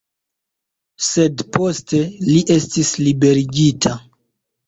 Sed poste li estis liberigita.